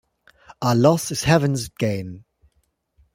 Our loss is heavens gain.